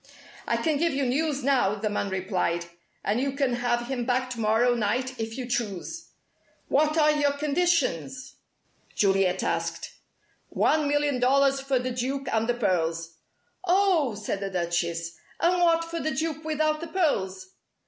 "I can give you news now," the man replied. "And you can have him back to morrow night if you choose." "What are your conditions?" Juliet asked. "One million dollars for the Duke and the pearls." "Oh!" said the Duchess. "And what for the Duke without the pearls?"